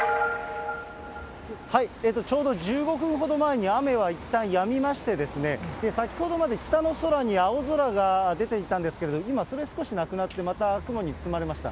ちょうど１５分ほど前に、雨はいったんやみまして、先ほどまで北の空に青空が出ていたんですけれど、今、それ少しなくなって、雲に包まれました。